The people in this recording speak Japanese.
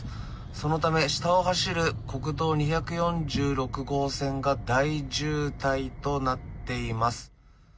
そのため、下を走る国道２４６号線が大渋滞となっています。